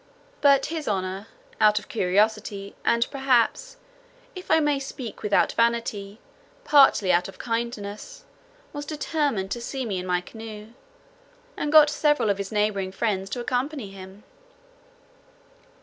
But his honour, out of curiosity, and, perhaps, (if I may speak without vanity,) partly out of kindness, was determined to see me in my canoe, and got several of his neighbouring friends to accompany him.